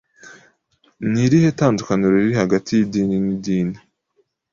Ni irihe tandukaniro riri hagati y'idini n'idini?